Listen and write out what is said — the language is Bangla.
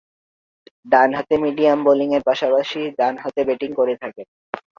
ডানহাতে মিডিয়াম বোলিংয়ের পাশাপাশি ডানহাতে ব্যাটিং করে থাকেন।